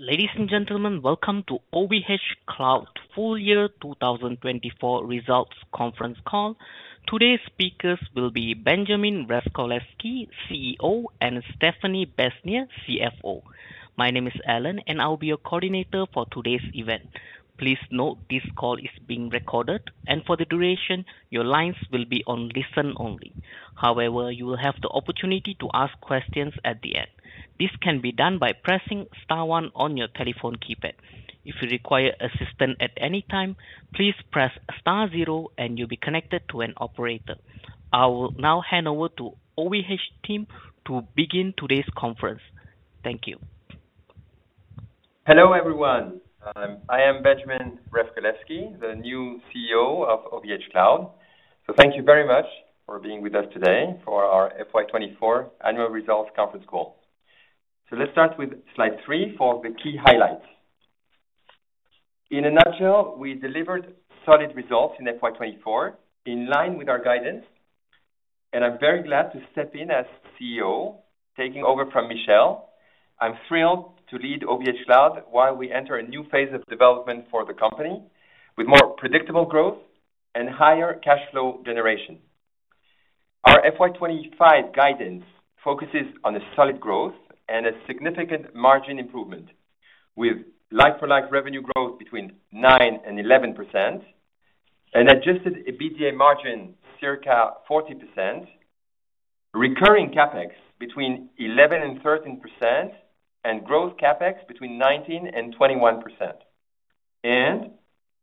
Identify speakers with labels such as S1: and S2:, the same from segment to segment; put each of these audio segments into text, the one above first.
S1: Ladies and gentlemen, welcome to OVHcloud Full Year two thousand twenty-four Results Conference Call. Today's speakers will be Benjamin Revcolevschi, CEO, and Stéphanie Besnier, CFO. My name is Alan, and I'll be your coordinator for today's event. Please note, this call is being recorded, and for the duration, your lines will be on listen only. However, you will have the opportunity to ask questions at the end. This can be done by pressing star one on your telephone keypad. If you require assistance at any time, please press star zero, and you'll be connected to an operator. I will now hand over to OVHcloud team to begin today's conference. Thank you.
S2: Hello, everyone. I am Benjamin Revcolevschi, the new CEO of OVHcloud. So thank you very much for being with us today for our FY 2024 annual results conference call. So let's start with slide three for the key highlights. In a nutshell, we delivered solid results in FY 2024, in line with our guidance, and I'm very glad to step in as CEO, taking over from Michel. I'm thrilled to lead OVHcloud while we enter a new phase of development for the company, with more predictable growth and higher cash flow generation. Our FY 2025 guidance focuses on a solid growth and a significant margin improvement, with like-for-like revenue growth between 9% and 11%, and Adjusted EBITDA margin circa 40%, Recurring CapEx between 11% and 13%, and Growth CapEx between 19% and 21%, and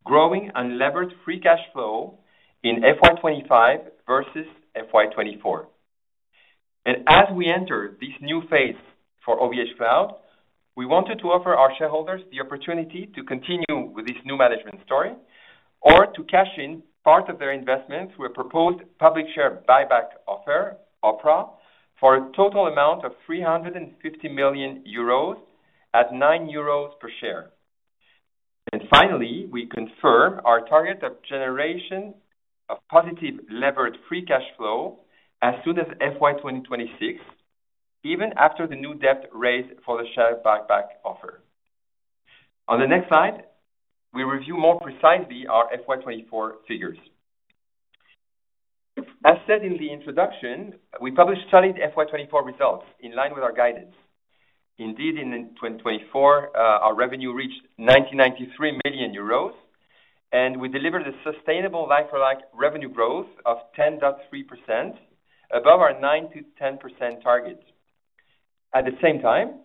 S2: growing Unlevered Free Cash Flow in FY 2025 versus FY 2024, and as we enter this new phase for OVHcloud, we wanted to offer our shareholders the opportunity to continue with this new management story, or to cash in part of their investment through a proposed public share buyback offer, OPRA, for a total amount of 350 million euros at 9 euros per share, and finally, we confirm our target of generation of positive Levered Free Cash Flow as soon as FY 2026, even after the new debt raised for the share buyback offer. On the next slide, we review more precisely our FY 2024 figures. As said in the introduction, we published solid FY 2024 results in line with our guidance. Indeed, in 2024, our revenue reached 1,993 million euros, and we delivered a sustainable like-for-like revenue growth of 10.3%, above our 9%-10% target. At the same time,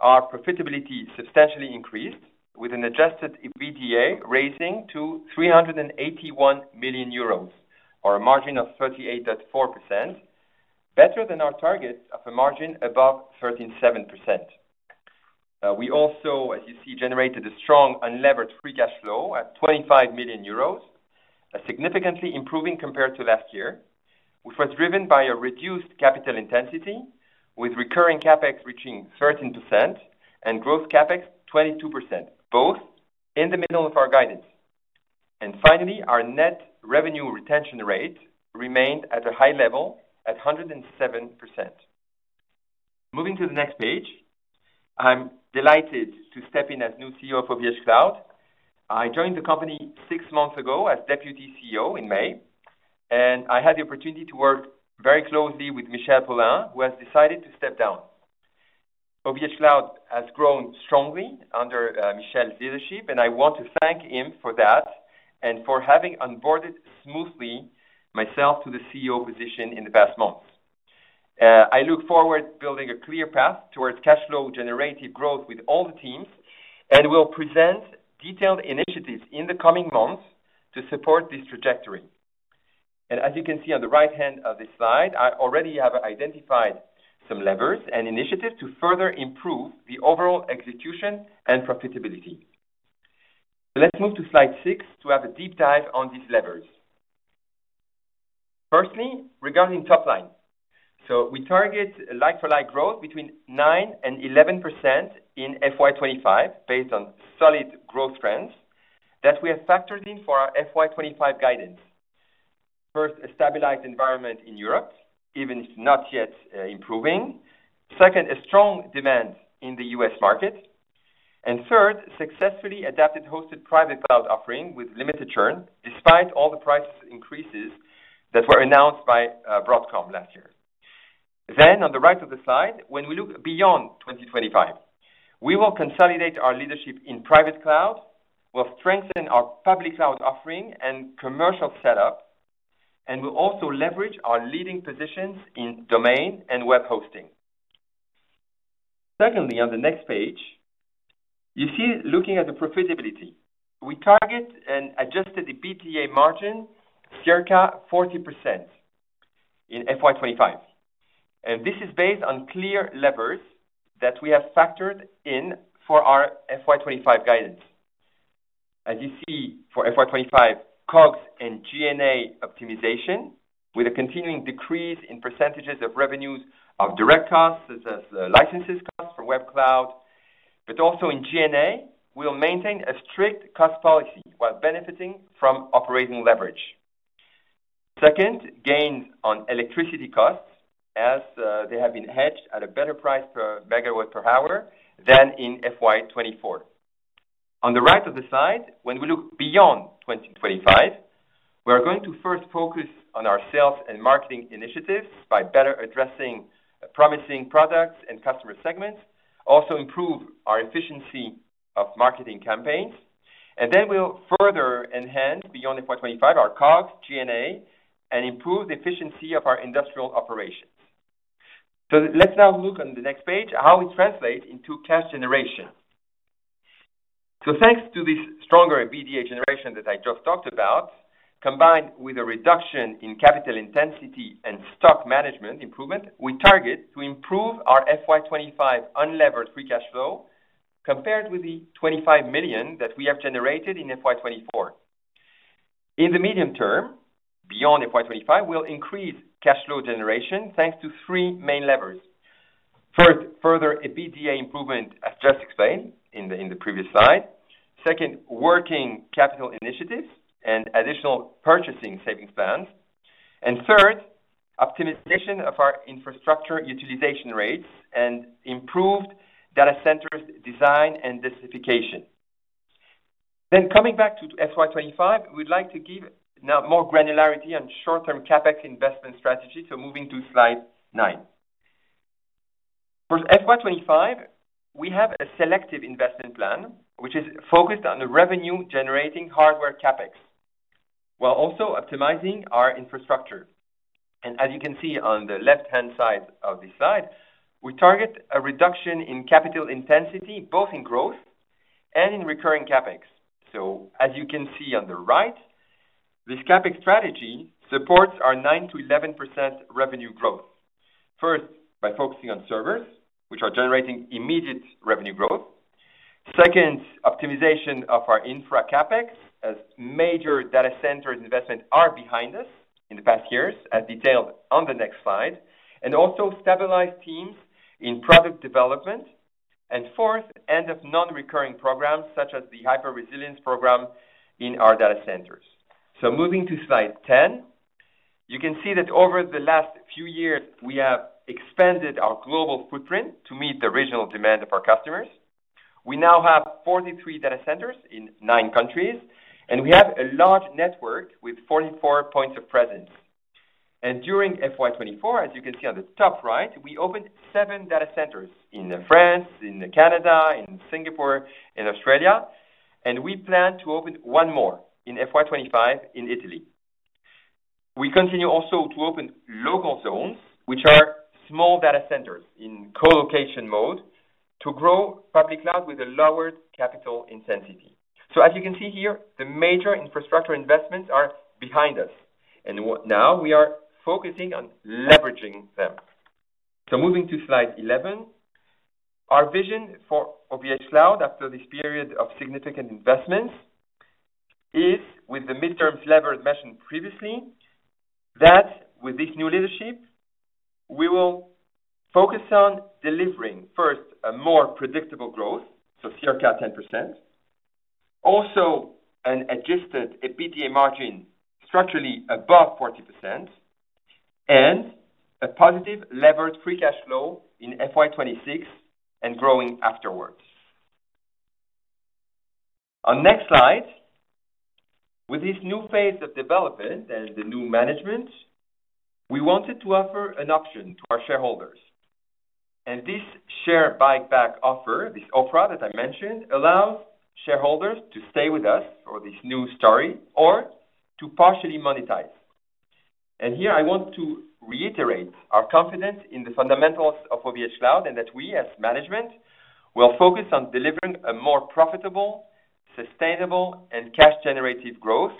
S2: our profitability substantially increased, with an adjusted EBITDA raising to 381 million euros, or a margin of 38.4%, better than our target of a margin above 37%. We also, as you see, generated a strong unlevered free cash flow at 25 million euros, a significantly improving compared to last year, which was driven by a reduced capital intensity, with recurring CapEx reaching 13% and growth CapEx 22%, both in the middle of our guidance. Finally, our net revenue retention rate remained at a high level at 107%. Moving to the next page, I'm delighted to step in as new CEO of OVHcloud. I joined the company six months ago as Deputy CEO in May, and I had the opportunity to work very closely with Michel Paulin, who has decided to step down. OVHcloud has grown strongly under Michel's leadership, and I want to thank him for that and for having onboarded smoothly myself to the CEO position in the past months. I look forward to building a clear path towards cash flow generative growth with all the teams, and will present detailed initiatives in the coming months to support this trajectory. As you can see on the right-hand of this slide, I already have identified some levers and initiatives to further improve the overall execution and profitability. Let's move to slide 6 to have a deep dive on these levers. Firstly, regarding top line. We target a like-for-like growth between 9% and 11% in FY 2025, based on solid growth trends that we have factored in for our FY 2025 guidance. First, a stabilized environment in Europe, even if not yet improving. Second, a strong demand in the U.S. market, and third, successfully adapted hosted private cloud offering with limited churn, despite all the price increases that were announced by Broadcom last year. Then, on the right of the slide, when we look beyond 2025, we will consolidate our leadership in private cloud, we'll strengthen our public cloud offering and commercial setup, and we'll also leverage our leading positions in domain and web hosting. Secondly, on the next page, you see looking at the profitability. We target an Adjusted EBITDA margin, circa 40% in FY2025, and this is based on clear levers that we have factored in for our FY2025 guidance. As you see, for FY2025, COGS and G&A optimization, with a continuing decrease in percentages of revenues of direct costs, such as, licenses costs for web cloud, but also in G&A, we'll maintain a strict cost policy while benefiting from operating leverage. Second, gains on electricity costs as, they have been hedged at a better price per megawatt per hour than in FY2024. On the right of the slide, when we look beyond 2025, we are going to first focus on our sales and marketing initiatives by better addressing promising products and customer segments, also improve our efficiency of marketing campaigns, and then we'll further enhance, beyond FY 2025, our COGS, G&A, and improve the efficiency of our industrial operations. So let's now look on the next page, how we translate into cash generation. So thanks to this stronger EBITDA generation that I just talked about, combined with a reduction in capital intensity and stock management improvement, we target to improve our FY 2025 unlevered free cash flow compared with the 25 million that we have generated in FY 2024. In the medium term, beyond FY 2025, we'll increase cash flow generation, thanks to three main levers. First, further, EBITDA improvement, as just explained in the previous slide. Second, working capital initiatives and additional purchasing savings plans. And third, optimization of our infrastructure utilization rates and improved data centers design and densification. Then coming back to FY2025, we'd like to give now more granularity on short-term CapEx investment strategy, so moving to slide 9. For FY2025, we have a selective investment plan, which is focused on the revenue-generating hardware CapEx, while also optimizing our infrastructure. And as you can see on the left-hand side of this slide, we target a reduction in capital intensity, both in growth and in recurring CapEx. So as you can see on the right, this CapEx strategy supports our 9%-11% revenue growth. First, by focusing on servers, which are generating immediate revenue growth. Second, optimization of our infra CapEx, as major data center investments are behind us in the past years, as detailed on the next slide, and also stabilize teams in product development. And fourth, end of non-recurring programs, such as the Hyper-resilience program in our data centers. So moving to slide ten, you can see that over the last few years, we have expanded our global footprint to meet the regional demand of our customers. We now have forty-three data centers in nine countries, and we have a large network with forty-four points of presence. And during FY 2024, as you can see on the top right, we opened seven data centers in France, in Canada, in Singapore, in Australia, and we plan to open one more in FY 2025 in Italy. We continue also to open local zones, which are small data centers in co-location mode, to grow Public Cloud with a lower capital intensity. So as you can see here, the major infrastructure investments are behind us, and what now we are focusing on leveraging them. So moving to slide eleven. Our vision for OVHcloud, after this period of significant investments, is with the midterm lever mentioned previously, that with this new leadership, we will focus on delivering, first, a more predictable growth, so circa 10%. Also, an Adjusted EBITDA margin structurally above 40%, and a positive levered free cash flow in FY2026 and growing afterwards. On next slide, with this new phase of development and the new management, we wanted to offer an option to our shareholders. This share buyback offer, this OPRA, that I mentioned, allows shareholders to stay with us for this new story or to partially monetize. Here I want to reiterate our confidence in the fundamentals of OVHcloud, and that we, as management, will focus on delivering a more profitable, sustainable, and cash generative growth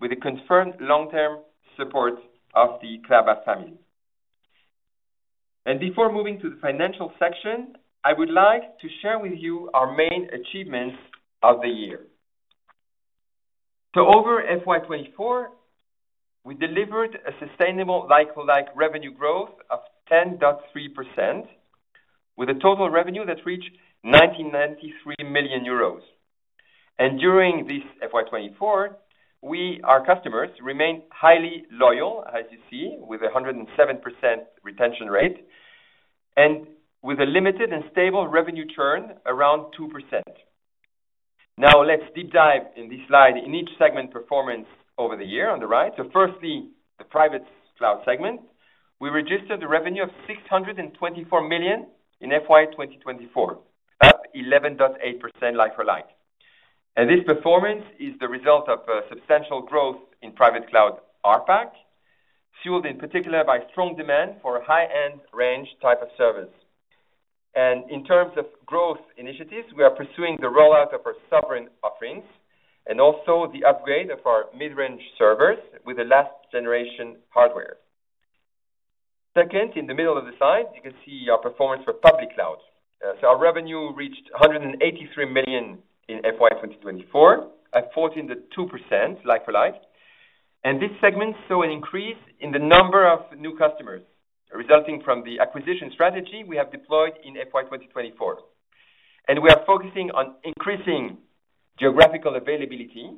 S2: with a confirmed long-term support of the Klaba family. Before moving to the financial section, I would like to share with you our main achievements of the year. Over FY2024, we delivered a sustainable like-for-like revenue growth of 10.3%, with a total revenue that reached 1,993 million euros. During this FY2024, our customers remained highly loyal, as you see, with a 107% retention rate, and with a limited and stable revenue churn around 2%. Now, let's deep dive in this slide in each segment performance over the year on the right. So firstly, the private cloud segment. We registered the revenue of 624 million in FY 2024, up 11.8% like-for-like. And this performance is the result of substantial growth in private cloud ARPAC, fueled in particular by strong demand for high-end range type of servers. And in terms of growth initiatives, we are pursuing the rollout of our sovereign offerings and also the upgrade of our mid-range servers with the last generation hardware. Second, in the middle of the slide, you can see our performance for public cloud. Our revenue reached 183 million in FY 2024, at 14.2% like-for-like. This segment saw an increase in the number of new customers, resulting from the acquisition strategy we have deployed in FY 2024, and we are focusing on increasing geographical availability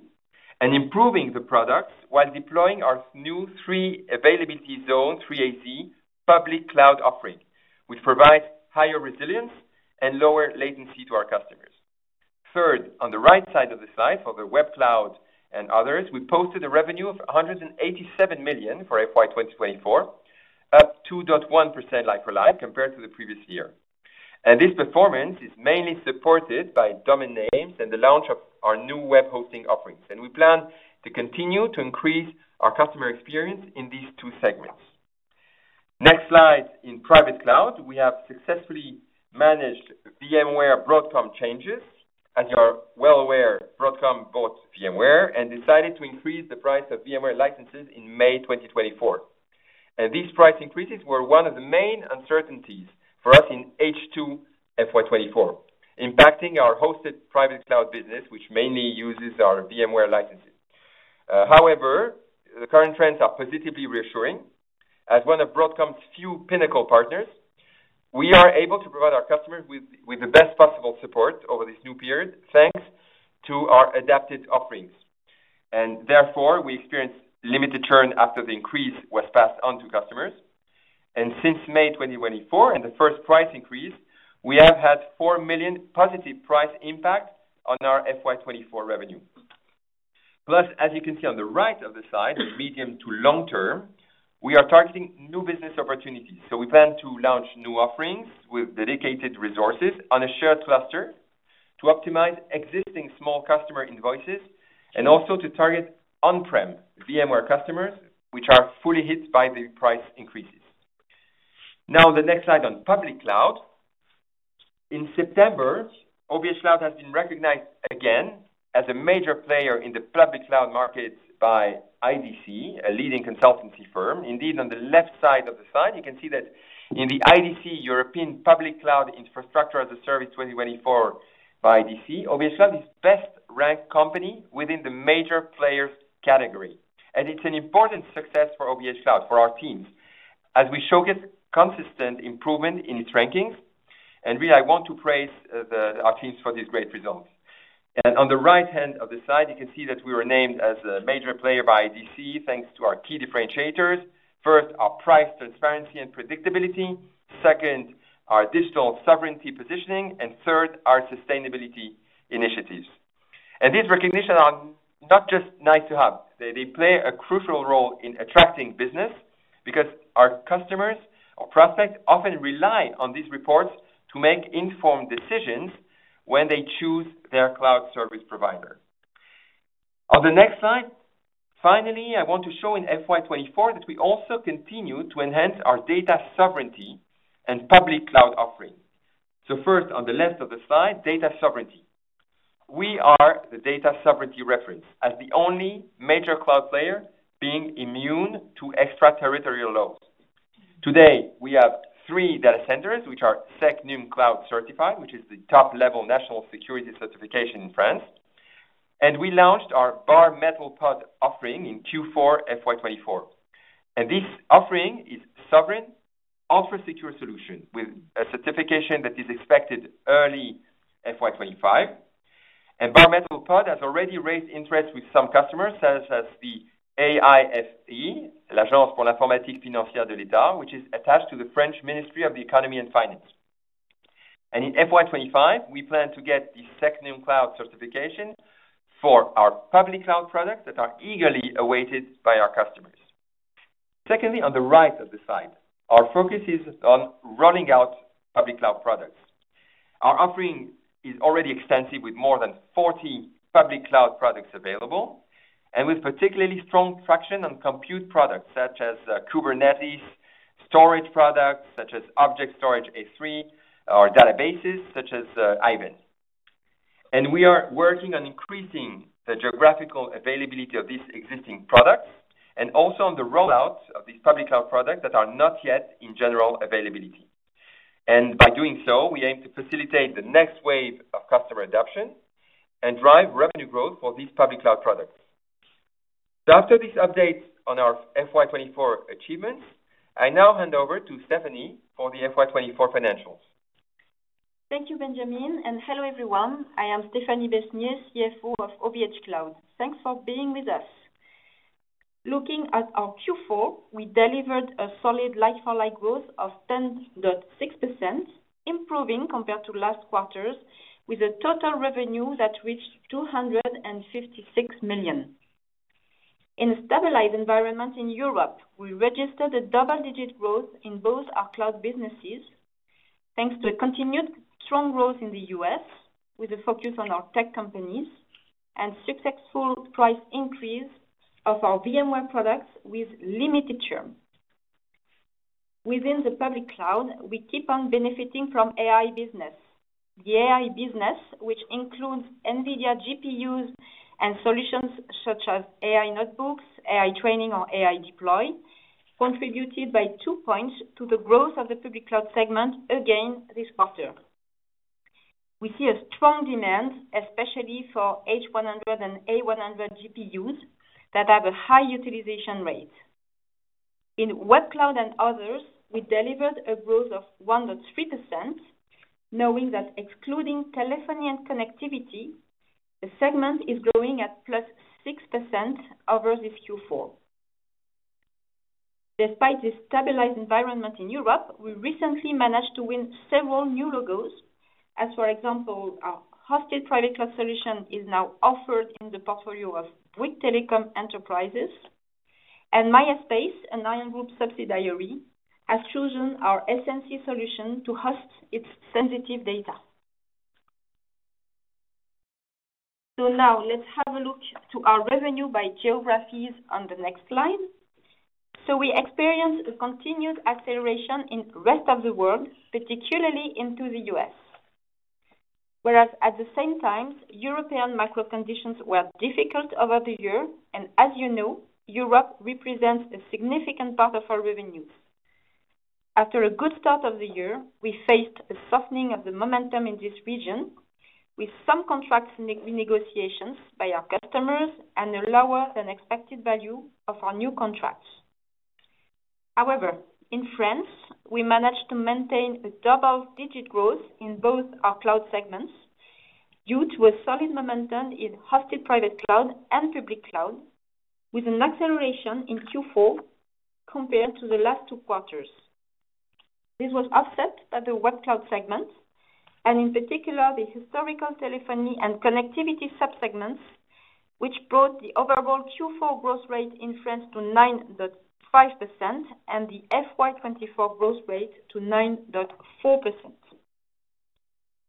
S2: and improving the products, while deploying our new three availability zone, 3-AZ, Public Cloud offering, which provides higher resilience and lower latency to our customers. Third, on the right side of the slide, for the Web Cloud and others, we posted a revenue of 187 million for FY 2024, up 2.1% like-for-like, compared to the previous year. This performance is mainly supported by domain names and the launch of our new web hosting offerings. We plan to continue to increase our customer experience in these two segments. Next slide, in Private Cloud, we have successfully managed VMware Broadcom changes, and you are well aware Broadcom bought VMware and decided to increase the price of VMware licenses in May twenty twenty-four, and these price increases were one of the main uncertainties for us in H2 FY 2024, impacting our Hosted Private Cloud business, which mainly uses our VMware licenses. However, the current trends are positively reassuring. As one of Broadcom's few Pinnacle Partners, we are able to provide our customers with, with the best possible support over this new period, thanks to our adapted offerings, and therefore we experienced limited churn after the increase was passed on to customers, and since May twenty twenty-four, and the first price increase, we have had 4 million positive price impact on our FY 2024 revenue. Plus, as you can see on the right of the slide, medium to long term, we are targeting new business opportunities. So we plan to launch new offerings with dedicated resources on a shared cluster, to optimize existing small customer invoices and also to target on-prem VMware customers, which are fully hit by the price increases. Now, the next slide on public cloud. In September, OVHcloud has been recognized again as a major player in the public cloud market by IDC, a leading consultancy firm. Indeed, on the left side of the slide, you can see that in the IDC European Public Cloud Infrastructure as a Service 2024 by IDC, OVHcloud is best ranked company within the major players category. It's an important success for OVHcloud, for our teams, as we showcase consistent improvement in its rankings. Really, I want to praise our teams for these great results. On the right-hand of the slide, you can see that we were named as a major player by IDC, thanks to our key differentiators. First, our price, transparency, and predictability. Second, our digital sovereignty positioning, and third, our sustainability initiatives. These recognitions are not just nice to have. They play a crucial role in attracting business, because our customers or prospects often rely on these reports to make informed decisions when they choose their cloud service provider. On the next slide, finally, I want to show in FY 2024 that we also continue to enhance our data sovereignty and public cloud offerings. First, on the left of the slide, data sovereignty. We are the data sovereignty reference as the only major cloud player being immune to extraterritorial laws. Today, we have three data centers, which are SecNumCloud certified, which is the top level national security certification in France, and we launched our Bare Metal Pod offering in Q4 FY 2024. And this offering is sovereign offer secure solution with a certification that is expected early FY 2025. And Bare Metal Pod has already raised interest with some customers, such as the AIFE, l'Agence pour l'Informatique Financière de l'État, which is attached to the French Ministry of the Economy and Finance. And in FY 2025, we plan to get the SecNumCloud certification for our public cloud products that are eagerly awaited by our customers. Secondly, on the right of the slide, our focus is on rolling out public cloud products. Our offering is already extensive, with more than forty public cloud products available, and with particularly strong traction on compute products such as Kubernetes, storage products such as Object Storage S3 or databases such as IBM. And we are working on increasing the geographical availability of these existing products and also on the rollout of these public cloud products that are not yet in general availability. And by doing so, we aim to facilitate the next wave of customer adoption and drive revenue growth for these public cloud products. So after this update on our FY 2024 achievements, I now hand over to Stephanie for the FY 2024 financials.
S3: Thank you, Benjamin, and hello, everyone. I am Stéphanie Besnier, CFO of OVHcloud. Thanks for being with us. Looking at our Q4, we delivered a solid like-for-like growth of 10.6%, improving compared to last quarters, with a total revenue that reached 256 million. In a stabilized environment in Europe, we registered a double-digit growth in both our cloud businesses, thanks to a continued strong growth in the U.S., with a focus on our tech companies and successful price increase of our VMware products with limited churn. Within the public cloud, we keep on benefiting from AI business. The AI business, which includes NVIDIA GPUs and solutions such as AI Notebooks, AI Training, or AI Deploy, contributed by two points to the growth of the public cloud segment again this quarter. We see a strong demand, especially for H100 and A100 GPUs that have a high utilization rate. In Web Cloud and others, we delivered a growth of 1.3%, knowing that excluding telephony and connectivity, the segment is growing at +6% over the Q4. Despite this stabilized environment in Europe, we recently managed to win several new logos. As for example, our Hosted Private Cloud solution is now offered in the portfolio of Bouygues Telecom enterprises, and MaiaSpace, an Ion Group subsidiary, has chosen our SNC solution to host its sensitive data. So now let's have a look to our revenue by geographies on the next slide. So we experienced a continued acceleration in rest of the world, particularly into the U.S. Whereas at the same time, European macro conditions were difficult over the year, and as you know, Europe represents a significant part of our revenues. After a good start of the year, we faced a softening of the momentum in this region, with some contracts renegotiations by our customers and a lower than expected value of our new contracts. However, in France, we managed to maintain a double-digit growth in both our cloud segments, due to a solid momentum in hosted private cloud and public cloud, with an acceleration in Q4 compared to the last Q2. This was offset by the web cloud segment, and in particular, the historical telephony and connectivity sub-segments, which brought the overall Q4 growth rate in France to 9.5% and the FY2024 growth rate to 9.4%.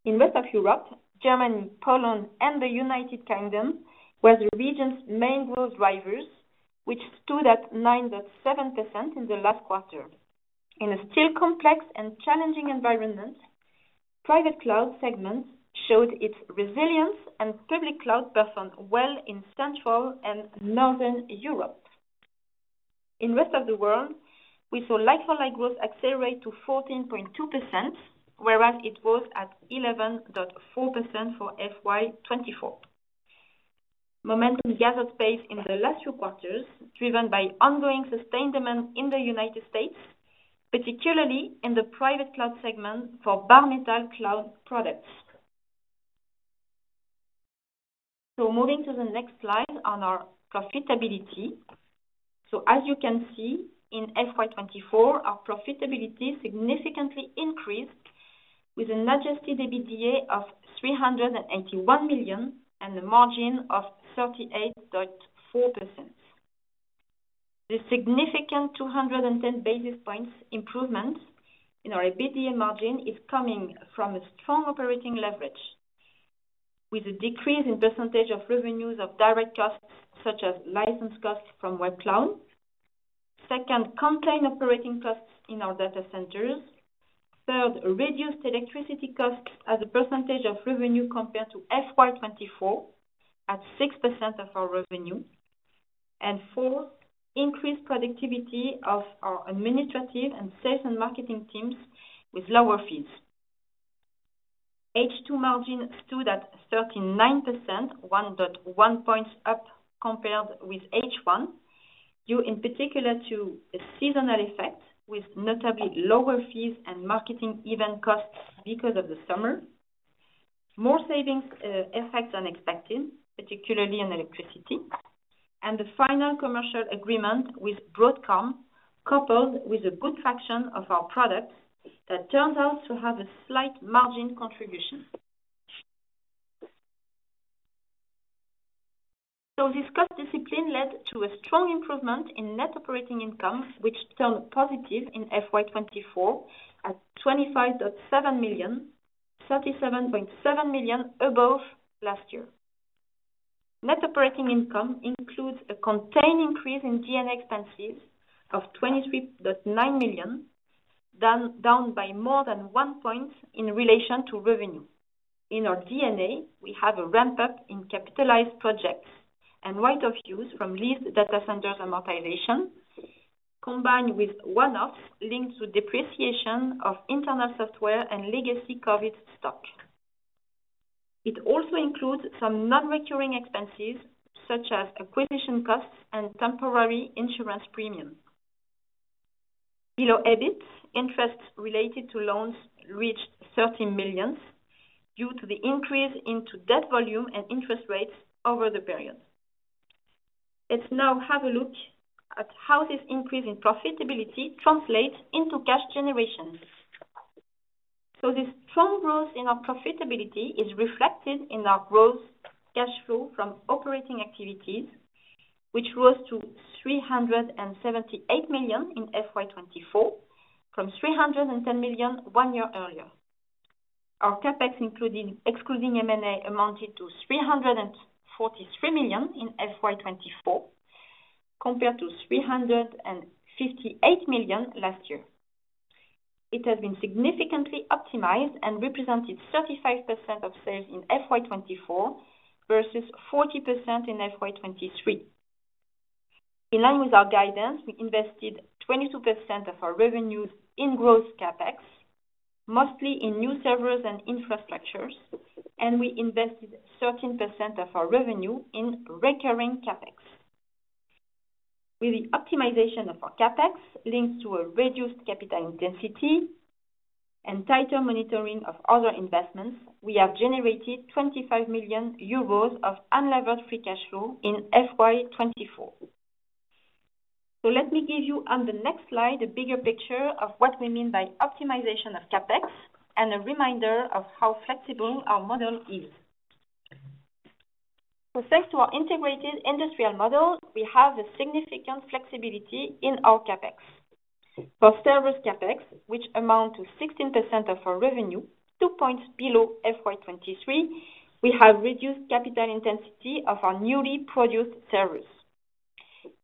S3: In rest of Europe, Germany, Poland and the United Kingdom were the region's main growth drivers, which stood at 9.7% in the last quarter. In a still complex and challenging environment, private cloud segment showed its resilience, and public cloud performed well in Central and Northern Europe. In rest of the world, we saw like-for-like growth accelerate to 14.2%, whereas it was at 11.4% for FY 2024. Momentum gathered pace in the last Q2, driven by ongoing sustained demand in the United States, particularly in the private cloud segment for bare metal cloud products. So moving to the next slide on our profitability. So as you can see, in FY 2024, our profitability significantly increased with an Adjusted EBITDA of 381 million, and a margin of 38.4%. The significant 210 basis points improvement in our EBITDA margin is coming from a strong operating leverage, with a decrease in percentage of revenues of direct costs, such as license costs from Web Cloud. Second, contained operating costs in our data centers. Third, reduced electricity costs as a percentage of revenue compared to FY2024, at 6% of our revenue. And fourth, increased productivity of our administrative and sales and marketing teams with lower fees. H2 margin stood at 39%, 1.1 points up compared with H1, due in particular to a seasonal effect, with notably lower fees and marketing event costs because of the summer. More savings effect than expected, particularly in electricity, and the final commercial agreement with Broadcom, coupled with a good traction of our products, that turned out to have a slight margin contribution. This cost discipline led to a strong improvement in net operating income, which turned positive in FY 2024, at 25.7 million, 37.7 million above last year. Net operating income includes a contained increase in G&A expenses of 23.9 million, down by more than one point in relation to revenue. In our DNA, we have a ramp-up in capitalized projects and right-off use from lease data centers amortization, combined with one-offs linked to depreciation of internal software and legacy COVID stock. It also includes some non-recurring expenses, such as acquisition costs and temporary insurance premiums. Below EBIT, interest related to loans reached 13 million, due to the increase into debt volume and interest rates over the period. Let's now have a look at how this increase in profitability translates into cash generation. So this strong growth in our profitability is reflected in our growth cash flow from operating activities, which rose to 378 million in FY2024, from 310 million one year earlier. Our CapEx, excluding M&A, amounted to 343 million in FY2024, compared to 358 million last year. It has been significantly optimized and represented 35% of sales in FY2024, versus 40% in FY2023. In line with our guidance, we invested 22% of our revenues in growth CapEx, mostly in new servers and infrastructures, and we invested 13% of our revenue in recurring CapEx. With the optimization of our CapEx linked to a reduced capital intensity and tighter monitoring of other investments, we have generated 25 million euros of unlevered free cash flow in FY2024. So let me give you, on the next slide, a bigger picture of what we mean by optimization of CapEx, and a reminder of how flexible our model is. So thanks to our integrated industrial model, we have a significant flexibility in our CapEx. For servers CapEx, which amount to 16% of our revenue, two points below FY 2023, we have reduced capital intensity of our newly produced servers.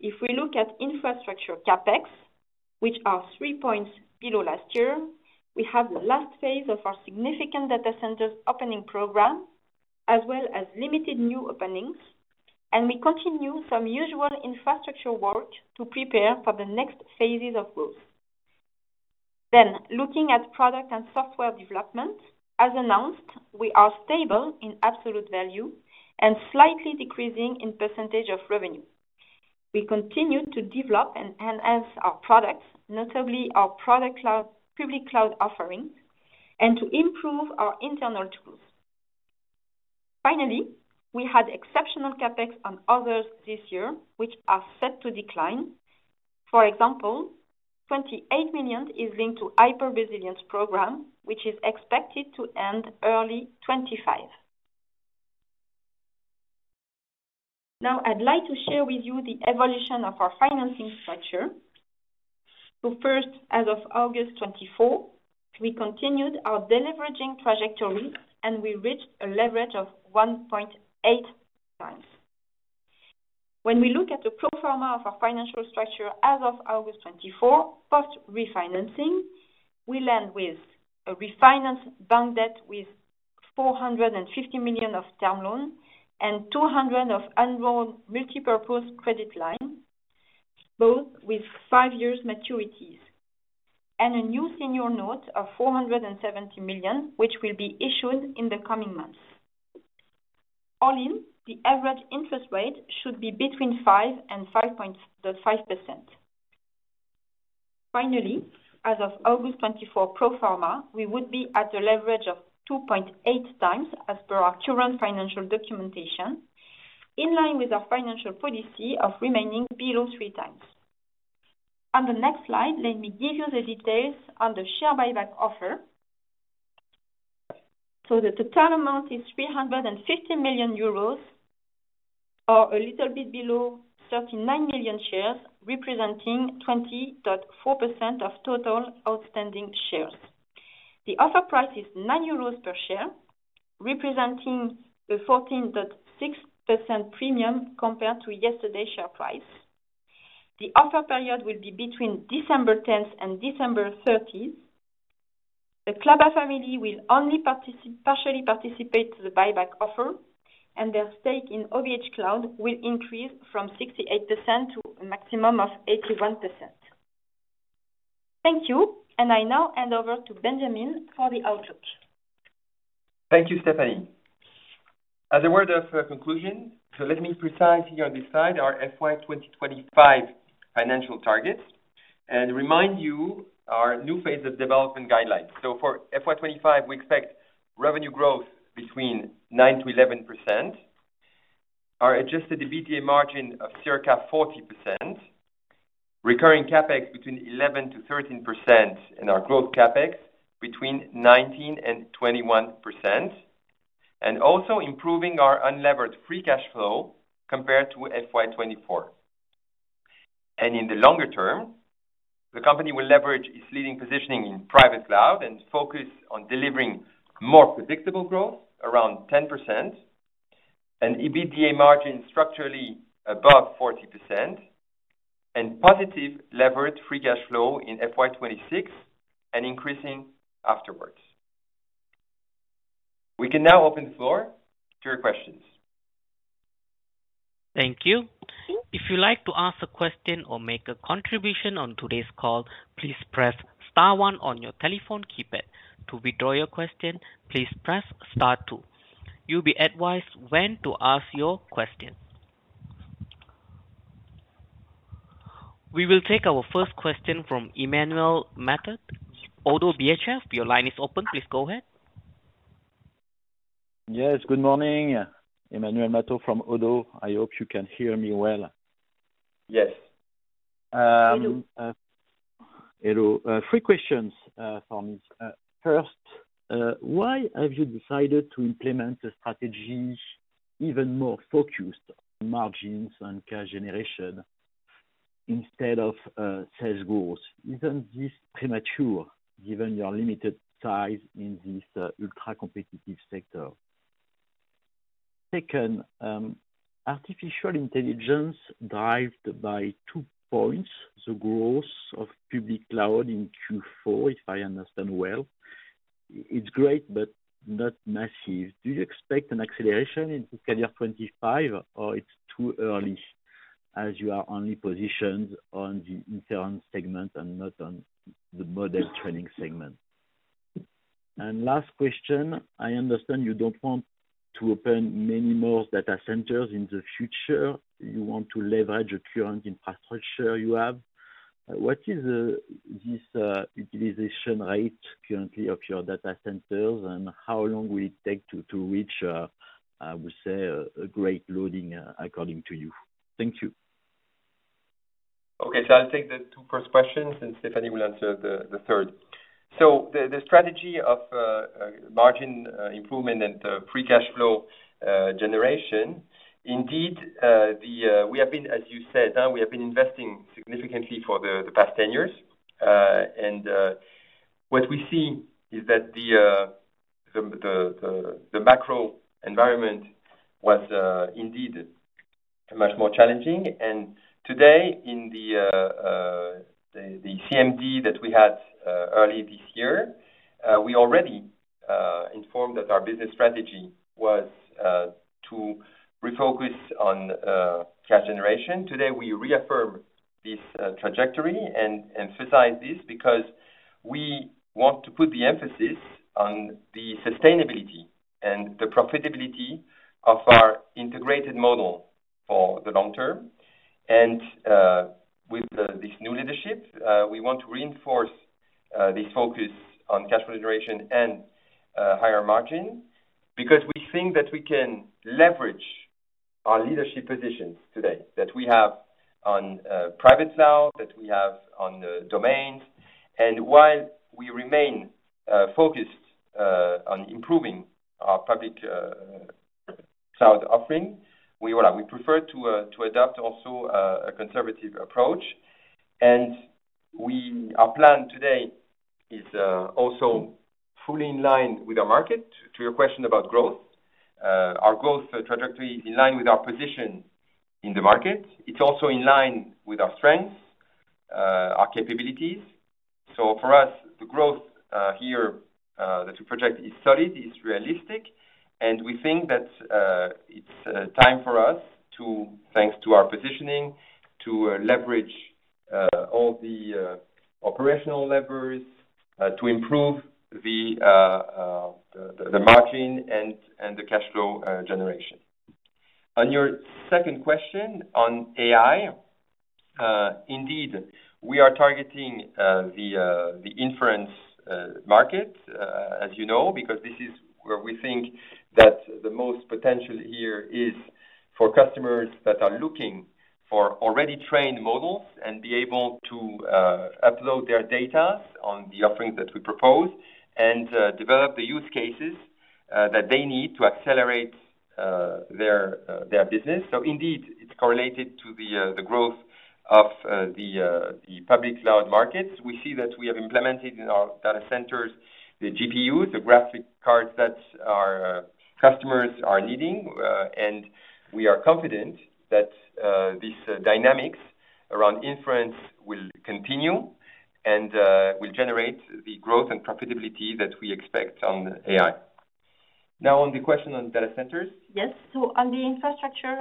S3: If we look at infrastructure CapEx, which are three points below last year, we have the last phase of our significant data centers opening program, as well as limited new openings, and we continue some usual infrastructure work to prepare for the next phases of growth. Then, looking at product and software development, as announced, we are stable in absolute value and slightly decreasing in percentage of revenue. We continue to develop and enhance our products, notably our Public Cloud, public cloud offerings, and to improve our internal tools. Finally, we had exceptional CapEx on others this year, which are set to decline. For example, 28 million is linked to Hyper-resilience program, which is expected to end early 2025. Now, I'd like to share with you the evolution of our financing structure. So first, as of August 2024, we continued our deleveraging trajectory, and we reached a leverage of 1.8 times. When we look at the pro forma of our financial structure as of August 2024, post refinancing, we land with a refinance bank debt with 450 million of term loan and 200 of undrawn multipurpose credit line, both with five years maturities. A new senior note of 470 million, which will be issued in the coming months. All in, the average interest rate should be between 5% and 5.5%. Finally, as of August 2024 pro forma, we would be at a leverage of 2.8 times as per our current financial documentation, in line with our financial policy of remaining below 3 times. On the next slide, let me give you the details on the share buyback offer. The total amount is 350 million euros, or a little bit below 39 million shares, representing 20.4% of total outstanding shares. The offer price is 9 euros per share, representing a 14.6% premium compared to yesterday's share price. The offer period will be between December tenth and December thirtieth. The Klaba family will only partially participate to the buyback offer, and their stake in OVHcloud will increase from 68% to a maximum of 81%. Thank you, and I now hand over to Benjamin for the outlook.
S2: Thank you, Stephanie. As a word of conclusion, so let me precise here on this slide, our FY 2025 financial targets, and remind you our new phase of development guidelines. So for FY 2025, we expect revenue growth between 9%-11%. Our Adjusted EBITDA margin of circa 40%, Recurring CapEx between 11%-13%, and our Growth CapEx between 19%-21%, and also improving our Unlevered Free Cash Flow compared to FY 2024. And in the longer term, the company will leverage its leading positioning in Private Cloud and focus on delivering more predictable growth around 10%, and EBITDA margin structurally above 40%, and positive Levered Free Cash Flow in FY 2026 and increasing afterwards. We can now open the floor to your questions.
S1: Thank you. If you'd like to ask a question or make a contribution on today's call, please press star one on your telephone keypad. To withdraw your question, please press star two. You'll be advised when to ask your question. We will take our first question from Emmanuel Matet, Oddo BHF. Your line is open. Please go ahead.
S4: Yes, good morning. Emmanuel Matet from Oddo. I hope you can hear me well.
S2: Yes.
S4: Hello. Three questions for me. First, why have you decided to implement a strategy even more focused on margins and cash generation instead of sales goals? Isn't this premature, given your limited size in this ultra-competitive sector? Second, artificial intelligence drove by two points the growth of public cloud in Q4, if I understand well. It's great, but not massive. Do you expect an acceleration in calendar 2025, or it's too early? As you are only positioned on the inference segment and not on the model training segment. Last question, I understand you don't want to open many more data centers in the future. You want to leverage your current infrastructure you have. What is this utilization rate currently of your data centers, and how long will it take to reach, I would say, a great loading according to you? Thank you.
S2: Okay, so I'll take the two first questions, and Stephanie will answer the third. So the strategy of margin improvement and free cash flow generation, indeed, we have been, as you said, investing significantly for the past ten years. And what we see is that the macro environment was indeed much more challenging. Today, in the CMD that we had early this year, we already informed that our business strategy was to refocus on cash generation. Today, we reaffirm this trajectory and emphasize this because we want to put the emphasis on the sustainability and the profitability of our integrated model for the long term. And with this new leadership, we want to reinforce this focus on cash flow generation and higher margin. Because we think that we can leverage our leadership positions today, that we have on private cloud, that we have on the domains. And while we remain focused on improving our public cloud offering, we prefer to adopt also a conservative approach. And our plan today is also fully in line with the market. To your question about growth, our growth trajectory is in line with our position in the market. It's also in line with our strengths, our capabilities. So for us, the growth here that we project is solid, is realistic, and we think that it's time for us to, thanks to our positioning, to leverage all the operational levers to improve the margin and the cash flow generation. On your second question on AI, indeed, we are targeting the inference market as you know, because this is where we think that the most potential here is for customers that are looking for already trained models, and be able to upload their data on the offerings that we propose, and develop the use cases that they need to accelerate their business. So indeed, it's correlated to the growth of the public cloud markets. We see that we have implemented in our data centers the GPUs, the graphics cards, that our customers are needing. And we are confident that these dynamics around inference will continue and will generate the growth and profitability that we expect on AI. Now on the question on data centers.
S3: Yes. So on the infrastructure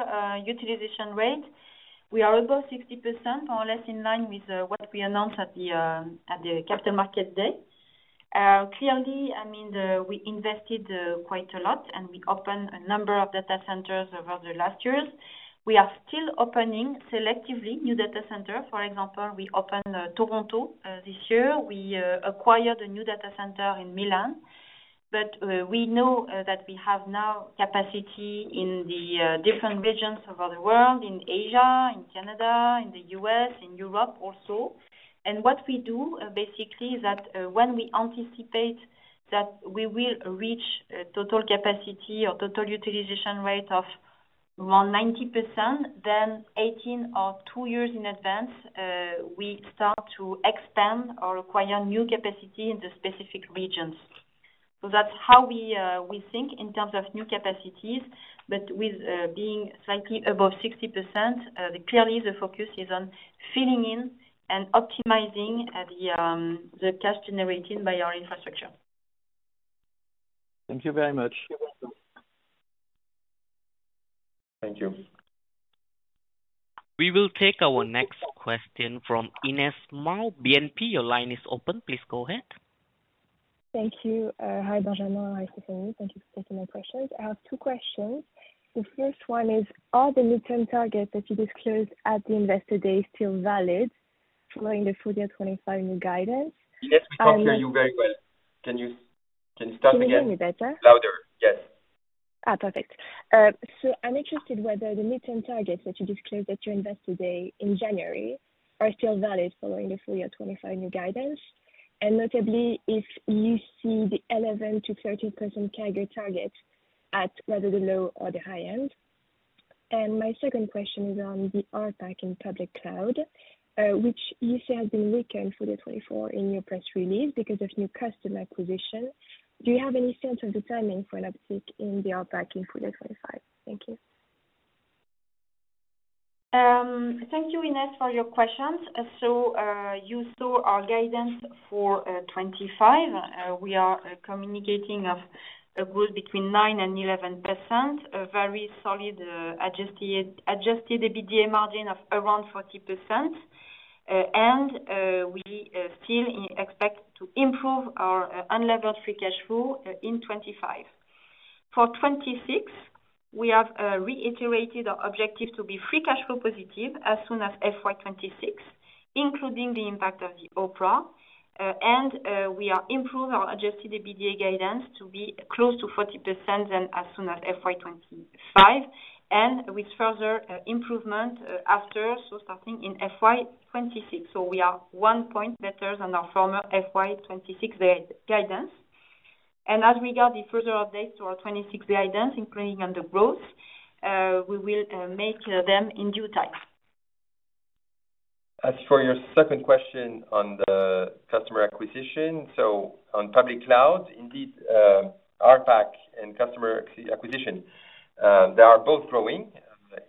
S3: utilization rate, we are above 60%, more or less in line with what we announced at the Capital Market Day. Clearly, I mean, we invested quite a lot, and we opened a number of data centers over the last years. We are still opening, selectively, new data centers. For example, we opened Toronto this year. We acquired a new data center in Milan. But we know that we have now capacity in the different regions of the world: in Asia, in Canada, in the U.S., in Europe, also. What we do, basically, is that, when we anticipate that we will reach a total capacity or total utilization rate of around 90%, then 18 or two years in advance, we start to expand or acquire new capacity in the specific regions. So that's how we think in terms of new capacities. But with being slightly above 60%, clearly the focus is on filling in and optimizing the cash generated by our infrastructure.
S4: Thank you very much.
S2: You're welcome. Thank you.
S1: We will take our next question from Inès Mom, BNP, your line is open. Please go ahead.
S5: Thank you. Hi, Benjamin. Hi, Stephanie. Thank you for taking my questions. I have two questions. The first one is, are the midterm targets that you disclosed at the Investor Day still valid following the full year twenty-five new guidance? And-
S2: Inès, we can't hear you very well. Can you, can you start again?
S5: Can you hear me better?
S2: Louder, yes.
S5: Ah, perfect. So I'm interested whether the midterm targets that you disclosed at your Investor Day in January are still valid following the full year twenty-five new guidance? And notably, if you see the 11%-13% CAGR target at whether the low or the high end. And my second question is on the ARPAC in Public Cloud, which you say has been weaker in full year twenty-four in your press release because of new customer acquisition. Do you have any sense of the timing for an uptick in the ARPAC in full year twenty-five? Thank you.
S3: Thank you, Inès, for your questions. So you saw our guidance for twenty-five. We are communicating of a growth between 9%-11%, a very solid adjusted EBITDA margin of around 40%. And we still expect to improve our unlevered free cash flow in twenty-five. For twenty-six, we have reiterated our objective to be free cash flow positive as soon as FY 2026, including the impact of the OPRA, and we are improve our adjusted EBITDA guidance to be close to 40% and as soon as FY 2025, and with further improvement after, so starting in FY 2026. So we are one point better than our former FY 2026 guidance. As we get the further updates to our 2026 guidance, including on the growth, we will make them in due time.
S2: As for your second question on the customer acquisition, so on public cloud, indeed, RPAC and customer acquisition, they are both growing,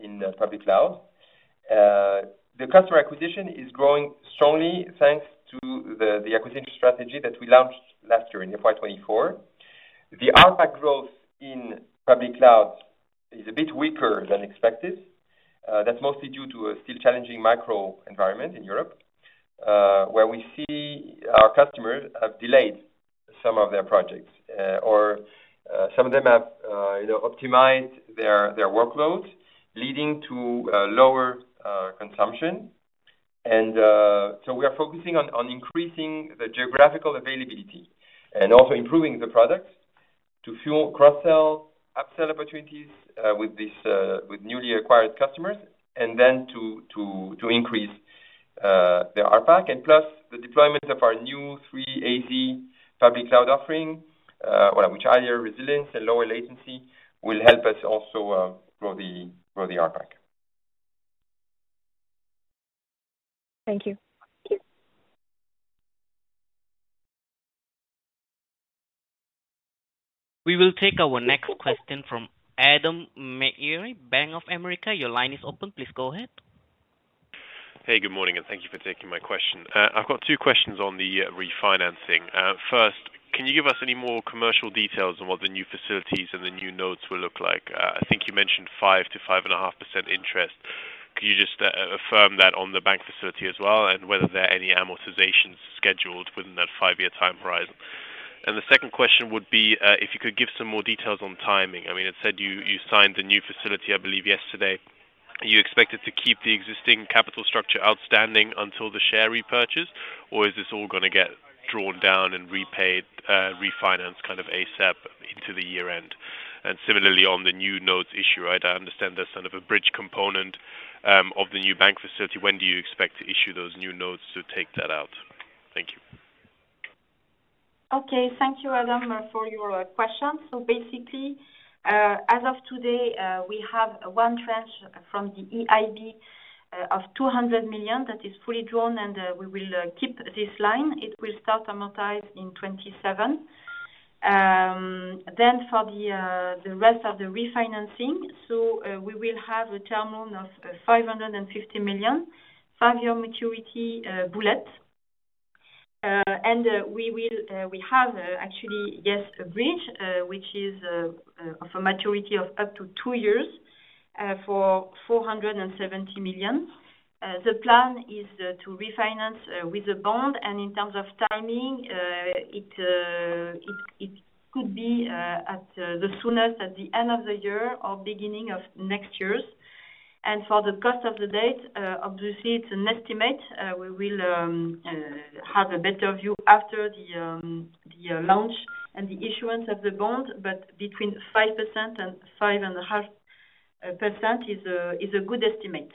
S2: in public cloud. The customer acquisition is growing strongly, thanks to the acquisition strategy that we launched last year in FY 2024. The RPAC growth in public cloud is a bit weaker than expected. That's mostly due to a still challenging macro environment in Europe, where we see our customers have delayed some of their projects, or, some of them have, you know, optimized their workloads, leading to lower consumption. So we are focusing on increasing the geographical availability and also improving the products to fuel cross-sell, up-sell opportunities with these newly acquired customers, and then to increase the RPAC, and plus the deployment of our new 3-AZ Public Cloud offering, which higher resilience and lower latency will help us also grow the RPAC.
S5: Thank you.
S1: We will take our next question from Adam Meier, Bank of America. Your line is open. Please go ahead.
S6: Hey, good morning, and thank you for taking my question. I've got two questions on the refinancing. First, can you give us any more commercial details on what the new facilities and the new notes will look like? I think you mentioned 5%-5.5% interest. Can you just affirm that on the bank facility as well, and whether there are any amortizations scheduled within that five-year time horizon? And the second question would be, if you could give some more details on timing. I mean, it said you signed the new facility, I believe, yesterday. Are you expected to keep the existing capital structure outstanding until the share repurchase, or is this all gonna get drawn down and repaid, refinanced kind of ASAP into the year end? Similarly, on the new notes issue, right, I understand there's sort of a bridge component of the new bank facility. When do you expect to issue those new notes to take that out? Thank you.
S3: Okay. Thank you, Adam, for your questions. So basically, as of today, we have one tranche from the EIB of 200 million that is fully drawn, and we will keep this line. It will start amortize in 2027. Then for the rest of the refinancing, so we will have a term loan of 550 million, five-year maturity, bullet. And we have actually, yes, a bridge which is of a maturity of up to two years for 470 million. The plan is to refinance with the bond, and in terms of timing, it could be at the soonest at the end of the year or beginning of next year's. And for the cost of the debt, obviously, it's an estimate. We will have a better view after the launch and the issuance of the bond, but between 5% and 5.5% is a good estimate.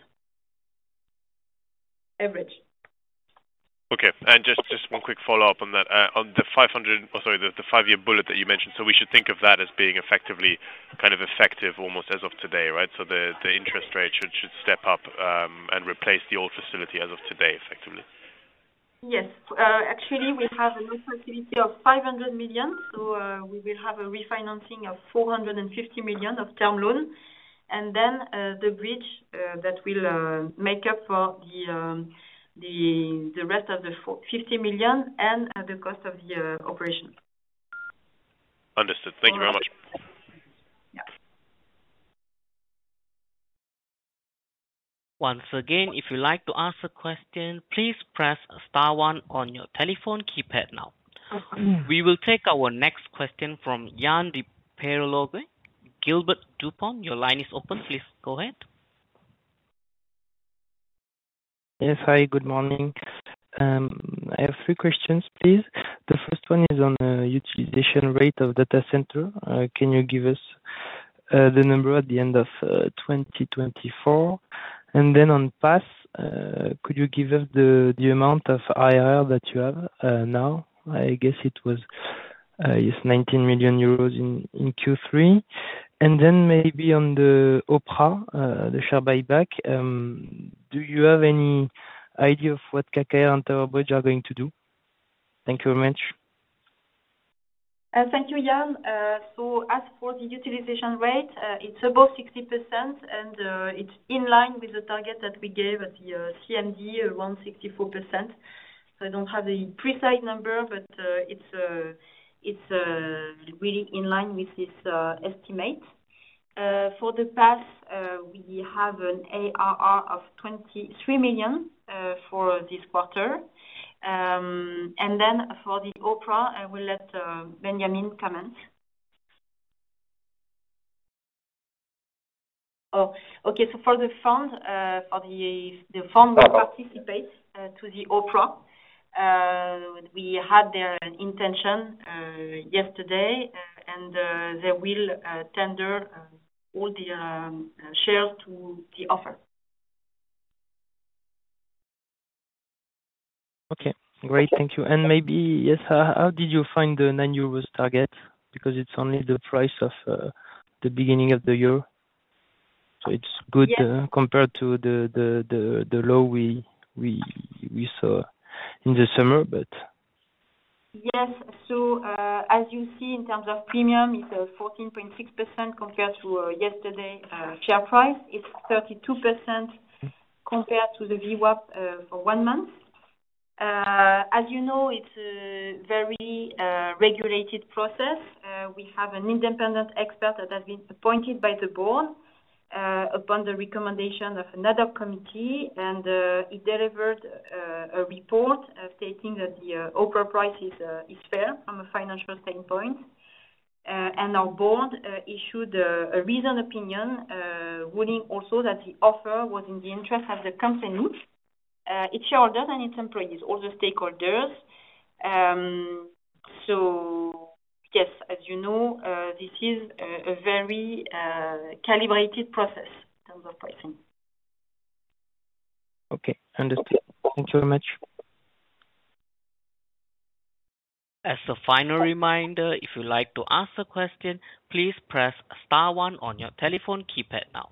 S3: Average.
S6: Okay. And just one quick follow-up on that. On the five hundred, or sorry, the five-year bullet that you mentioned, so we should think of that as being effectively, kind of effective almost as of today, right? So the interest rate should step up and replace the old facility as of today, effectively.
S3: Yes. Actually, we have a new facility of 500 million, so we will have a refinancing of 450 million of term loan, and then the bridge that will make up for the rest of the 450 million and the cost of the operation.
S6: Understood. Thank you very much.
S3: Yeah.
S1: Once again, if you'd like to ask a question, please press star one on your telephone keypad now. We will take our next question from Yann de Kerorguen, Gilbert Dupont. Your line is open. Please go ahead.
S7: Yes. Hi, good morning. I have three questions, please. The first one is on utilization rate of data center. Can you give us the number at the end of twenty twenty-four? And then on PaaS, could you give us the amount of ARR that you have now? I guess it was yes, 19 million euros in Q3. And then maybe on the OPRA, the share buyback, do you have any idea of what KKR and TowerBrook are going to do? Thank you very much.
S3: Thank you, Yann. So as for the utilization rate, it's above 60%, and it's in line with the target that we gave at the CMD, around 64%. So I don't have a precise number, but it's really in line with this estimate. For the PaaS, we have an ARR of 23 million for this quarter. And then for the OPRA, I will let Benjamin comment. Oh, okay. So for the fund, the fund will participate to the OPRA, we had their intention yesterday, and they will tender all the shares to the offer.
S7: Okay, great. Thank you. And maybe, yes, how did you find the 9 euros target? Because it's only the price of the beginning of the year. So it's good.
S3: Yes.
S7: compared to the low we saw in the summer, but.
S3: Yes. So, as you see in terms of premium, it's a 14.6% compared to yesterday's share price. It's 32% compared to the VWAP for one month. As you know, it's a very regulated process. We have an independent expert that has been appointed by the board upon the recommendation of another committee. And he delivered a report stating that the OPRA price is fair from a financial standpoint. And our board issued a reasoned opinion ruling also that the offer was in the interest of the company, its shareholders and its employees, all the stakeholders. So yes, as you know, this is a very calibrated process in terms of pricing.
S7: Okay, understood. Thank you very much.
S1: As a final reminder, if you'd like to ask a question, please press star one on your telephone keypad now.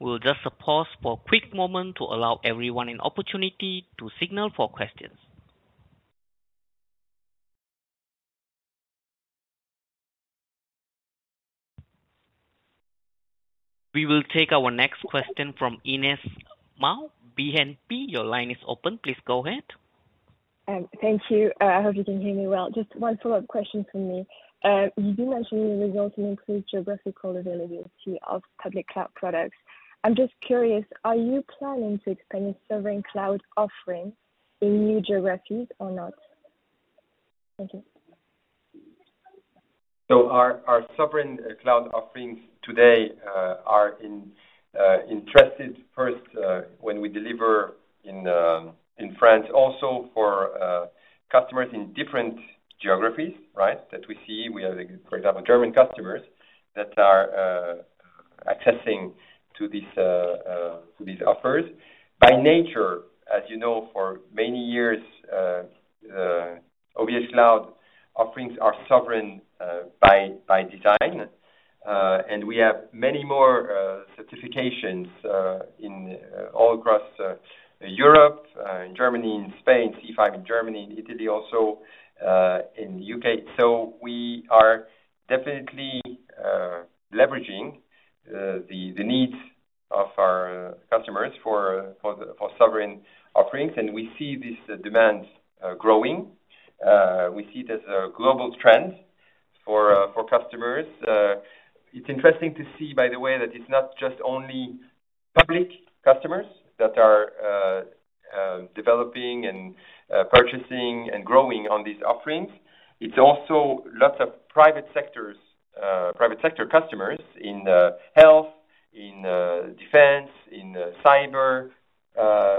S1: We'll just pause for a quick moment to allow everyone an opportunity to signal for questions. We will take our next question from Inès Mom, BNPP. Your line is open. Please go ahead.
S5: Thank you. I hope you can hear me well. Just one follow-up question from me. You do mention the results and increased geographical availability of public cloud products. I'm just curious, are you planning to expand your sovereign cloud offering in new geographies or not? Thank you.
S2: Our sovereign cloud offerings today are of interest first when we deliver in France also for customers in different geographies, right? That we see. We have, for example, German customers that are accessing to these offers. By nature, as you know, for many years OVHcloud offerings are sovereign by design. And we have many more certifications in all across Europe in Germany, in Spain, C5 in Germany, in Italy, also in the U.K. So we are definitely leveraging the needs of our customers for sovereign offerings, and we see this demand growing. We see it as a global trend for customers. It's interesting to see, by the way, that it's not just only public customers that are developing and purchasing and growing on these offerings. It's also lots of private sector customers in health, in defense, in cyber,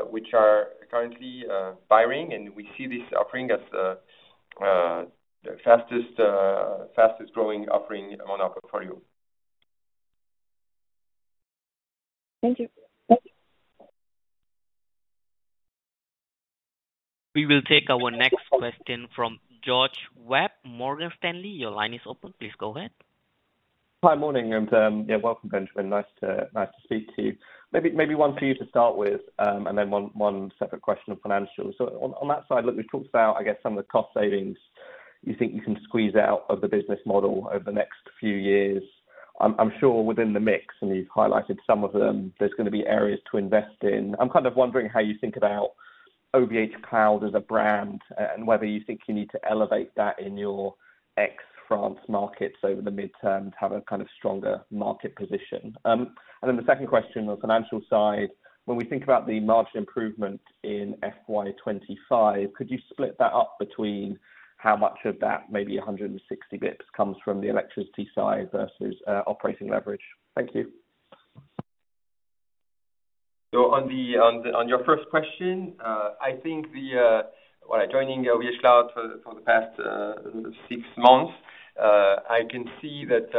S2: which are currently buying, and we see this offering as the fastest growing offering on our portfolio.
S5: Thank you. Thank you.
S1: We will take our next question from George Webb, Morgan Stanley. Your line is open. Please go ahead.
S8: Hi, morning, and yeah, welcome, Benjamin. Nice to speak to you. Maybe one for you to start with, and then one separate question on financials. So on that side, look, we've talked about, I guess, some of the cost savings you think you can squeeze out of the business model over the next few years. I'm sure within the mix, and you've highlighted some of them, there's gonna be areas to invest in. I'm kind of wondering how you think about OVHcloud as a brand, and whether you think you need to elevate that in your ex-France markets over the midterm to have a kind of stronger market position. and then the second question on financial side, when we think about the margin improvement in FY2025, could you split that up between how much of that, maybe 160 basis points, comes from the electricity side versus operating leverage? Thank you.
S2: So on your first question, I think. Well, joining OVHcloud for the past six months, I can see that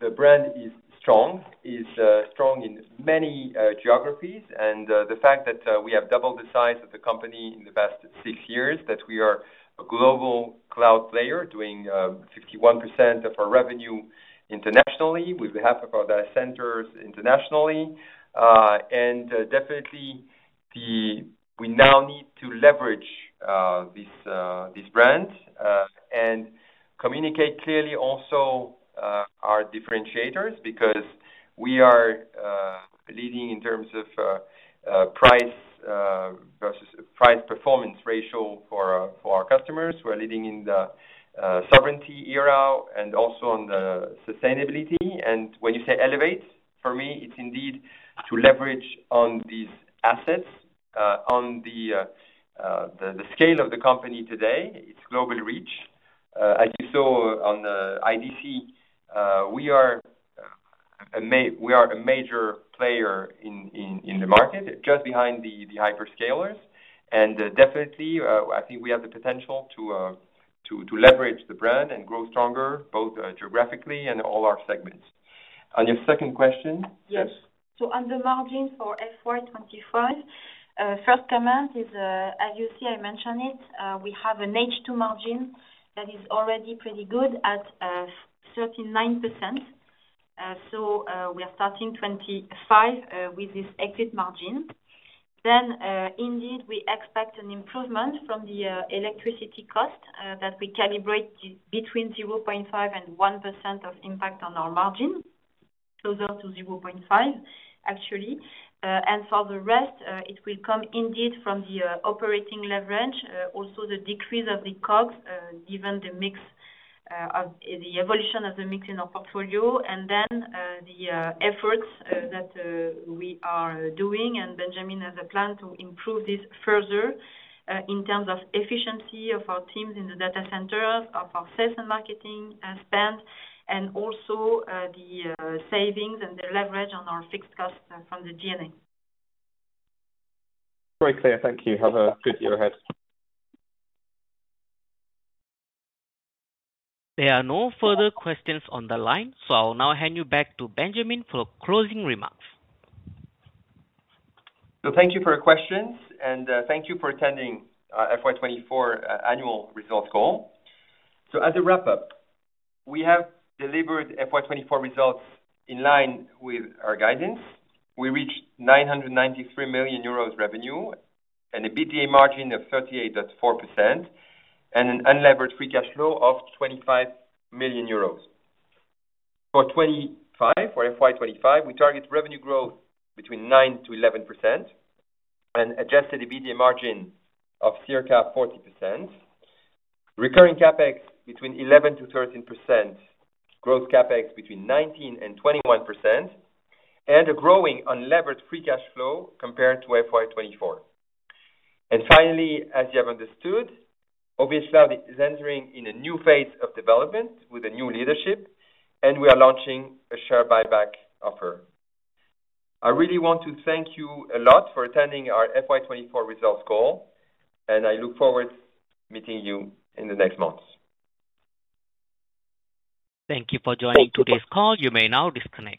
S2: the brand is strong in many geographies, and the fact that we have doubled the size of the company in the past six years, that we are a global cloud player, doing 61% of our revenue internationally, with half of our data centers internationally. And definitely, we now need to leverage this brand and communicate clearly also our differentiators. Because we are leading in terms of price-performance ratio for our customers. We're leading in the sovereignty area and also on the sustainability. When you say elevate, for me, it's indeed to leverage on these assets, on the scale of the company today, its global reach. As you saw on the IDC, we are a major player in the market, just behind the hyperscalers. Definitely, I think we have the potential to leverage the brand and grow stronger, both geographically and all our segments. On your second question?
S3: Yes. So on the margin for FY2025, first comment is, as you see, I mentioned it, we have an H2 margin that is already pretty good at 39%. So, we are starting 25 with this exit margin. Then, indeed, we expect an improvement from the electricity cost that we calibrate between 0.5% and 1% of impact on our margin. Closer to 0.5%, actually. And for the rest, it will come indeed from the operating leverage, also the decrease of the cost given the mix of the evolution of the mix in our portfolio. And then, the efforts that we are doing, and Benjamin has a plan to improve this further, in terms of efficiency of our teams in the data centers, of our sales and marketing, and spend, and also, the savings and the leverage on our fixed cost from the DNA.
S8: Very clear. Thank you. Have a good year ahead.
S1: There are no further questions on the line, so I'll now hand you back to Benjamin for closing remarks.
S2: So thank you for your questions, and thank you for attending our FY 2024 annual results call. As a wrap up, we have delivered FY 2024 results in line with our guidance. We reached 993 million euros revenue and a EBITDA margin of 38.4%, and an unlevered free cash flow of 25 million euros. For FY 2025, we target revenue growth between 9% to 11% and adjusted EBITDA margin of circa 40%, recurring CapEx between 11% to 13%, growth CapEx between 19% and 21%, and a growing unlevered free cash flow compared to FY 2024. Finally, as you have understood, OVHcloud is entering in a new phase of development with a new leadership, and we are launching a share buyback offer. I really want to thank you a lot for attending our FY 2024 results call, and I look forward to meeting you in the next months.
S1: Thank you for joining today's call. You may now disconnect.